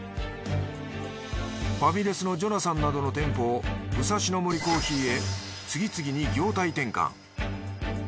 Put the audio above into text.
ファミレスのジョナサンなどの店舗をむさしの森珈琲へ次々に業態転換。